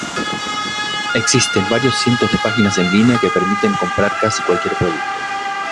Existen varios cientos de páginas en línea que permiten comprar casi cualquier producto.